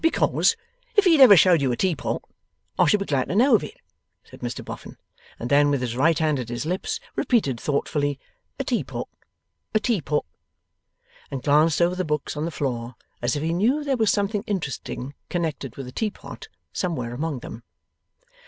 'Because if he had ever showed you a teapot, I should be glad to know of it,' said Mr Boffin. And then, with his right hand at his lips, repeated thoughtfully, 'a Teapot, a Teapot', and glanced over the books on the floor, as if he knew there was something interesting connected with a teapot, somewhere among them.